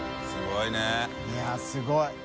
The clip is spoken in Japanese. いやすごい。